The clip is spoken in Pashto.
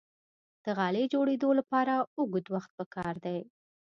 د غالۍ جوړیدو لپاره اوږد وخت پکار دی.